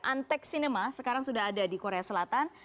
antek cinema sekarang sudah ada di korea selatan